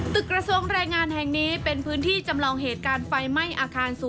กระทรวงแรงงานแห่งนี้เป็นพื้นที่จำลองเหตุการณ์ไฟไหม้อาคาร๐